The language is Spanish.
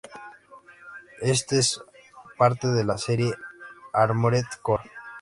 Este es parte de la serie Armored Core.